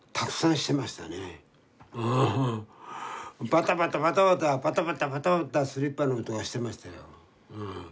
バタバタバタバタバタバタバタバタスリッパの音がしてましたよ。